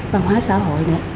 văn hóa xã hội nữa